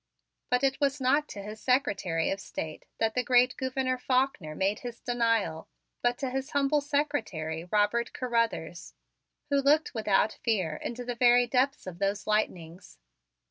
But it was not to his Secretary of State that the great Gouverneur Faulkner made his denial but to his humble secretary, Robert Carruthers, who looked without fear into the very depths of those lightnings.